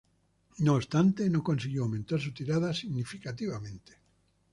No obstante, no consiguió aumentar su tirada significativamente.